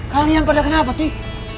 kalian pada kenapa sih